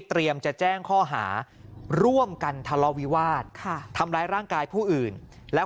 จะแจ้งข้อหาร่วมกันทะเลาวิวาสทำร้ายร่างกายผู้อื่นแล้ว